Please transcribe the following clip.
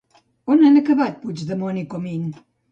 On han acabat Puigdemont i Comín?